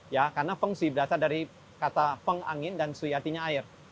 ya karena feng shui berasal dari kata feng angin dan shui artinya air